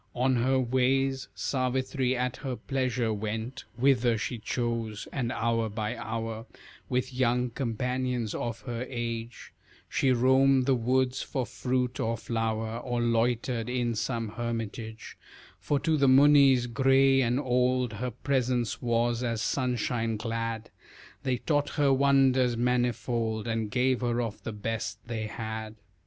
On her ways Savitri at her pleasure went Whither she chose, and hour by hour With young companions of her age, She roamed the woods for fruit or flower, Or loitered in some hermitage, For to the Munis gray and old Her presence was as sunshine glad, They taught her wonders manifold And gave her of the best they had.